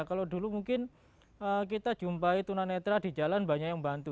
kalau dulu mungkin kita jumpai tunanetra di jalan banyak yang bantu